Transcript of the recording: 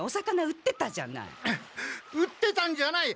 売ってたんじゃない！